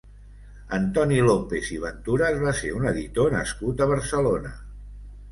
Antoni López i Benturas va ser un editor nascut a Barcelona.